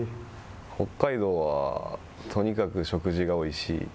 北海道はとにかく食事がおいしい。